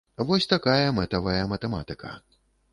Вось такая мэтавая матэматыка.